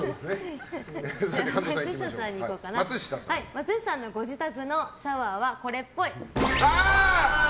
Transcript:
松下さんのご自宅のシャワーはこれっぽい。